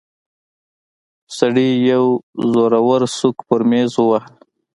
سړي يو زورور سوک پر ميز وواهه.